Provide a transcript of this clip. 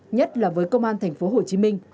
nhất là với công an thành phố hồ chí minh